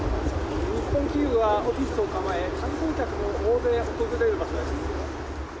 日本企業がオフィスを構え、観光客も大勢訪れる場所です。